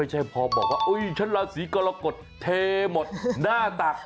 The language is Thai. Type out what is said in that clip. ไม่ใช่พอบอกว่าฉันราศรีกรกฏเทหมดตัก